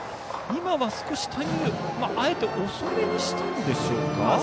今は少しタイミングをあえて遅めにしたんでしょうか。